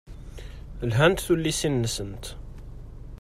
Lhant tullisin-nsent.